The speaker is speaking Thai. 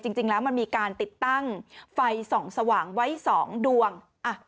จริงแล้วมันมีการติดตั้งไฟส่องสว่างไว้๒ดวง